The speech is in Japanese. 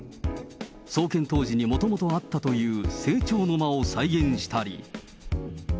創建当時にもともとあったという正庁の間を再現したり。